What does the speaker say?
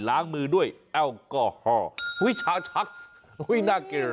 ล้างมือด้วยแอลกอฮอล์อุ้ยชาชักอุ้ยหน้าเกลียด